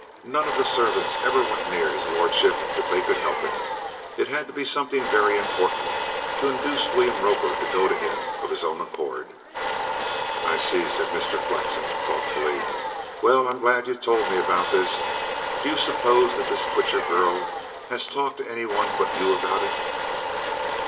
None of the servants ever went near his lordship, if they could help it. It had to be something very important to induce William Roper to go to him of his own accord." "I see," said Mr. Flexen thoughtfully. "Well, I'm glad you told me about this. Do you suppose that this Twitcher girl has talked to any one but you about it?"